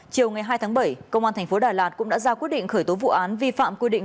chiều ngày hai tháng bảy công an thành phố đà lạt cũng đã ra quyết định khởi tố vụ án vi phạm quy định